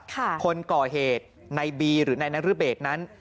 คนก่อเหตุในบีหรือนายนรเบศนั้น